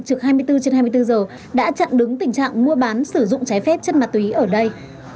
trực hai mươi bốn trên hai mươi bốn giờ đã chặn đứng tình trạng mua bán sử dụng trái phép chất ma túy ở đây